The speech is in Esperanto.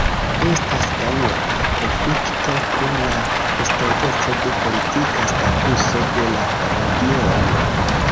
Estas daŭra konflikto pri la estonteco de politika statuso de la regiono.